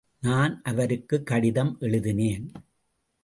நான் அவருக்குக் கடிதம் எழுதினேன்.